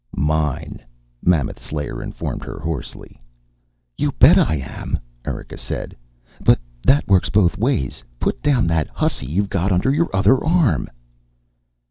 "Mine," Mammoth Slayer informed her hoarsely. "You bet I am," Erika said, "but that works both ways. Put down that hussy you've got under your other arm."